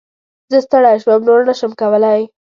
زه ستړی شوم ، نور نه شم کولی !